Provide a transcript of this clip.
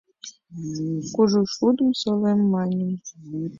Кужу шудым солем, маньым